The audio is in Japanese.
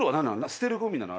捨てるごみなの？